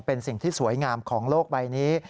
เป็นสิ่งที่สวยงามของโลกใบนี้